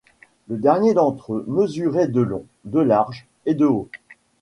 Le dernier d'entre eux mesurait de long, de large, et de haut.